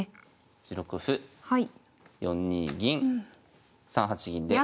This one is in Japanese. １六歩４二銀３八銀で。